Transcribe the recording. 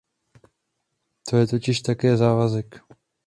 To je totiž také závazek.